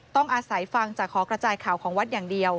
ต้องอาศัยฟังจากหอกระจายข่าวของวัดอย่างเดียว